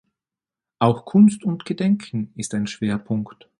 Auch "Kunst und Gedenken" ist ein Schwerpunkt.